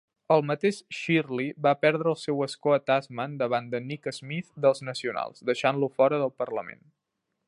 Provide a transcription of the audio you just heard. El mateix Shirley va perdre el seu escó a Tasman davant de Nick Smith dels Nacionals, deixant-lo fora del Parlament.